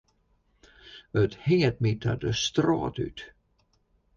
It hinget my ta de strôt út.